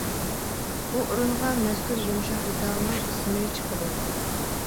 بۇ ئورۇنغا مەزكۇر يۇمشاق دېتالنىڭ ئىسمى چىقىدۇ.